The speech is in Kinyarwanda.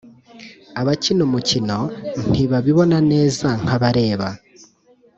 abakina umukino ntibabibona neza nkabareba